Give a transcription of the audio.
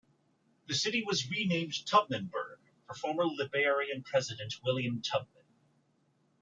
The city was renamed Tubmanburg for former Liberian president William Tubman.